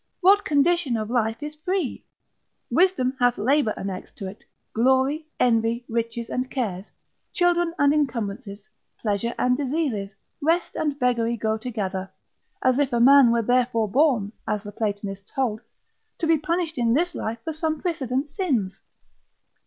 What condition of life is free? Wisdom hath labour annexed to it, glory, envy; riches and cares, children and encumbrances, pleasure and diseases, rest and beggary, go together: as if a man were therefore born (as the Platonists hold) to be punished in this life for some precedent sins.